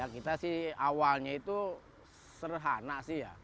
kita sih awalnya itu serhana sih ya